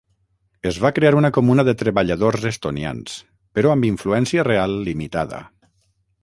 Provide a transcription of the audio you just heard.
Es va crear una Comuna de Treballadors Estonians, però amb influència real limitada.